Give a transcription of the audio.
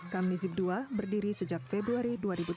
kam nizib ii berdiri sejak februari dua ribu tiga belas